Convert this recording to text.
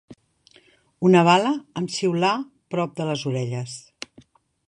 Una bala em xiulà prop de les orelles